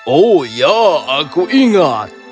oh ya aku ingat